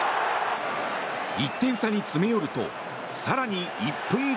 １点差に詰め寄ると更に１分後。